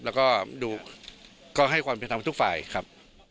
แล้วก็ดูก็ให้ความเป็นธรรมกับทุกฝ่ายครับ